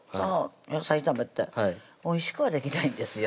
野菜炒めっておいしくはできないんですよ